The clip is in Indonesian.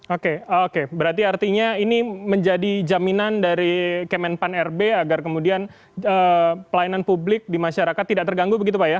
oke oke berarti artinya ini menjadi jaminan dari kemenpan rb agar kemudian pelayanan publik di masyarakat tidak terganggu begitu pak ya